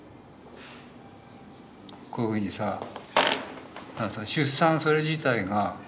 こういうふうにさ出産それ自体が生命の危機。